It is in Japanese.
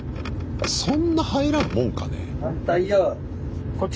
そんな入らんもんかね？